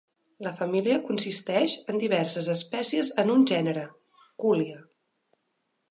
La família consisteix en diverses espècies en un gènere, Kuhlia.